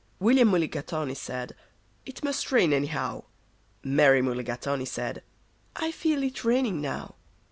William Mulligatawny said, "It must rain, anyhow." Mary Mulligatawny said, "I feel it raining now."